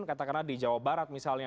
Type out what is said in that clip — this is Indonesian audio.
katakanlah di jawa barat misalnya